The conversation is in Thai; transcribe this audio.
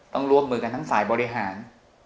ต้องร่วมมือกันทั้งฝ่ายบริหาร